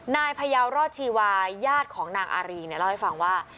นายพยาวรอดชีวาญาติของนางอารีเนี่ยเล่าให้ฟังว่า